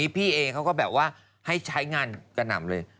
พี่เองเขาก็แบบว่าให้ใช้งานกระหน่ำเลย